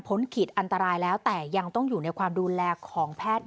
ขีดอันตรายแล้วแต่ยังต้องอยู่ในความดูแลของแพทย์